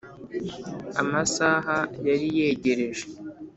amasaha yari yegereje.